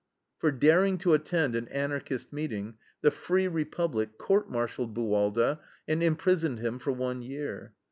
For daring to attend an Anarchist meeting, the free Republic court martialed Buwalda and imprisoned him for one year.